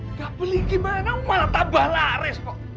nggak beli gimana malah tambah laris bu